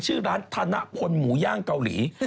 ชื่อร้านธนพลหมูย่างเกาหลี